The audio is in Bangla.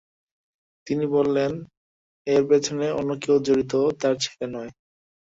তিনি বলেন, এর পেছনে অন্য কেউ জড়িত, তাঁর ছেলে নয়।